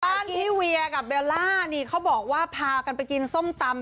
พี่เวียกับเบลล่านี่เขาบอกว่าพากันไปกินส้มตำ